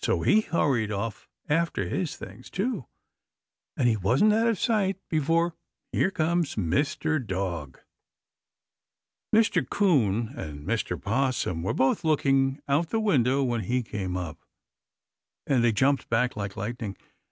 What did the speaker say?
So he hurried off after his things, too, and he wasn't out of sight before here comes Mr. Dog! Mr. 'Coon and Mr. 'Possum were both looking out the window when he came up, and they jumped back like lightning.